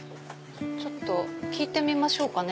ちょっと聞いてみましょうかね。